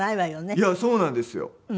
いやそうなんですよ